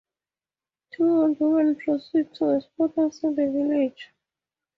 Two old women proceed to a spot outside the village.